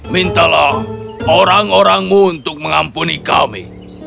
mintalah orang orangmu untuk mengampuni kami